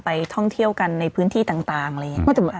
ท่องเที่ยวกันในพื้นที่ต่างอะไรอย่างนี้